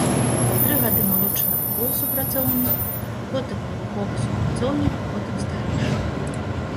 Тры гады малодшы навуковы супрацоўнік, потым навуковы супрацоўнік, потым старэйшы.